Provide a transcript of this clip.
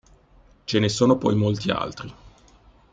Ce ne sono poi molti altri.